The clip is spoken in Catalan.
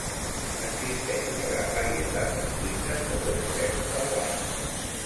Existeix una gran varietat de fruites segons l'època de l'any.